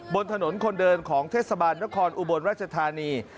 บนถนนคนเดินของเทศบาลนครอุบลราชธานี